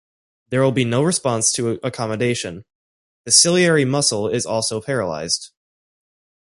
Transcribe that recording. There will be no response to accommodation - the "ciliary muscle" is also paralyzed.